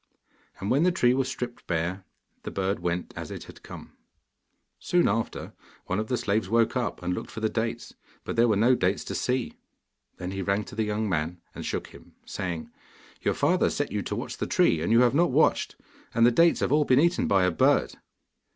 And when the tree was stripped bare, the bird went as it had come. Soon after, one of the slaves woke up and looked for the dates, but there were no dates to see. Then he ran to the young man and shook him, saying: 'Your father set you to watch the tree, and you have not watched, and the dates have all been eaten by a bird.